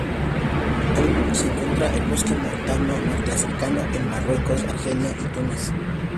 Al norte se encuentra el bosque montano norteafricano, en Marruecos, Argelia y Túnez.